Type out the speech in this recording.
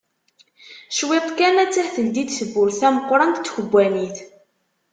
Cwiṭ kan attah teldi-d tewwurt tameqqrant n tkebbanit.